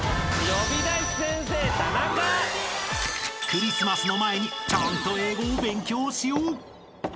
［クリスマスの前にちゃんと英語を勉強しよう］